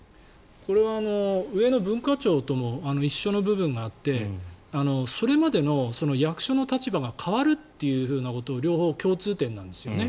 これは、上の文化庁とも一緒の部分があってそれまでの役所の立場が変わるというふうなことを両方、共通点なんですよね。